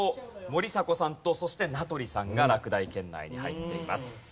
森迫さんとそして名取さんが落第圏内に入っています。